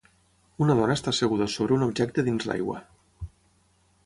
Una dona està asseguda sobre un objecte dins l'aigua.